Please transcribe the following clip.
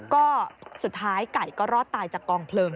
ก็สุดท้ายไก่ก็รอดตายจากกองเพลิง